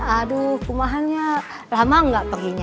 aduh rumahannya lama ga perginya ya